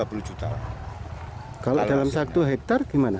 kalau dalam satu hektare gimana